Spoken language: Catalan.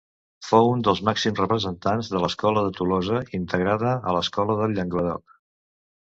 Fou un dels màxims representants de l'Escola de Tolosa, integrada a l'Escola del Llenguadoc.